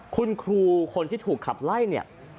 คุณครูคนที่ถูกขับไล่เนี่ย